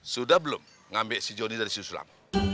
sudah belum ngambil si jody dari siusulam